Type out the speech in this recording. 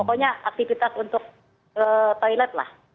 pokoknya aktivitas untuk toilet lah